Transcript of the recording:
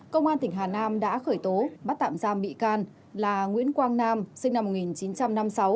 công an tỉnh hà nam đã khởi tố bắt tạm giam bị can là nguyễn quang nam sinh năm một nghìn chín trăm năm mươi sáu